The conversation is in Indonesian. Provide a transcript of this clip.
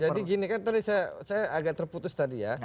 jadi gini kan tadi saya agak terputus tadi ya